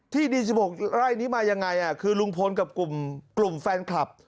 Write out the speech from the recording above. ที่ดิน๑๖ไร่นี้มายังไงคือลุงพลกับกลุ่มแฟนคลับ